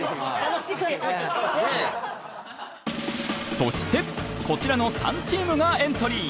そしてこちらの３チームがエントリー！